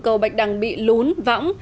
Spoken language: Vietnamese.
cầu bạch đằng bị lún võng